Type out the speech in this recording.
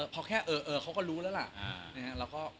พอแค่เออเขาก็รู้แล้วล่ะ